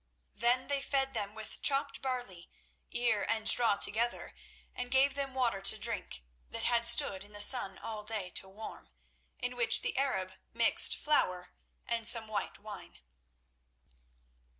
Then they fed them with chopped barley, ear and straw together, and gave them water to drink that had stood in the sun all day to warm, in which the Arab mixed flour and some white wine.